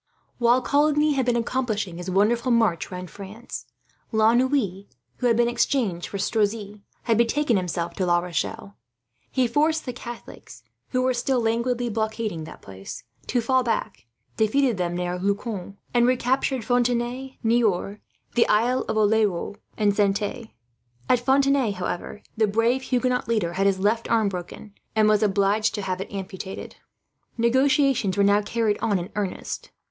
While Coligny had been accomplishing his wonderful march round France, La Noue, who had been exchanged for Strozzi, had betaken himself to La Rochelle. He forced the Catholics, who were still languidly blockading that place, to fall back; defeated them near Lucon, and recaptured Fontenay, Niort, the Isle of Oleron, Brouage, and Saintes. At Fontenay, however, the brave Huguenot leader had his left arm broken, and was obliged to have it amputated. Negotiations were now being carried on in earnest.